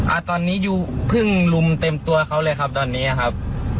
อ่าตอนนี้ยูเพิ่งรุมเต็มตัวเขาเลยครับตอนนี้ครับ